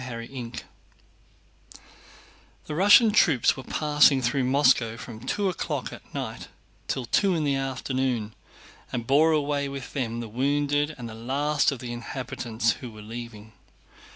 CHAPTER XXI The Russian troops were passing through Moscow from two o'clock at night till two in the afternoon and bore away with them the wounded and the last of the inhabitants who were leaving.